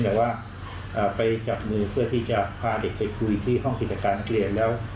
แต่ว่าไปจับมือเพื่อที่จะพาเด็กไปคุยที่ห้องกิจการนักเรียนแล้ว